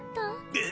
えっ。